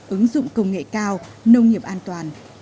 ứng dụng công nghệ cao nông nghiệp an toàn